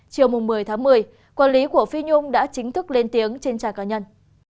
chiều một mươi tháng một mươi quản lý của phi nhung đã chính thức lên tiếng trên trang cá nhân